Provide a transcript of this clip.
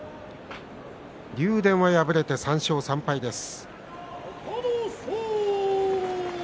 竜電は敗れて３勝３敗です。